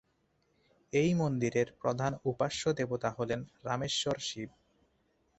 এই মন্দিরের প্রধান উপাস্য দেবতা হলেন রামেশ্বর শিব।